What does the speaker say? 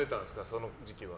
その時期は。